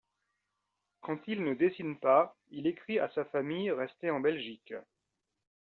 Quand il ne dessine pas il écrit à sa famille restée en Belgique.